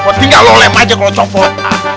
kok tinggal lo lem aja kalau copot